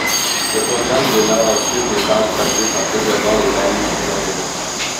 Le programme génère ensuite les pages traduites en préservant les balises du modèle.